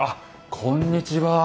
こんにちは。